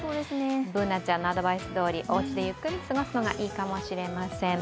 Ｂｏｏｎａちゃんのアドバイスどおり、おうちでゆっくり過ごすのがいいかもしれません。